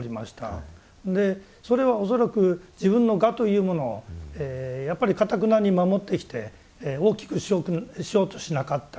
それは恐らく自分の我というものをやっぱりかたくなに守ってきて大きくしようとしなかった。